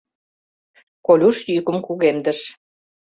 — Колюш йӱкым кугемдыш.